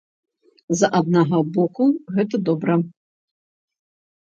З аднаго боку, гэта добра.